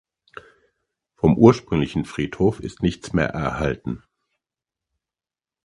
Vom ursprünglichen Friedhof ist nichts mehr erhalten.